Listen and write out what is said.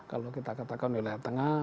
kalau kita katakan wilayah tengah